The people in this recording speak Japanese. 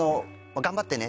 「頑張ってね」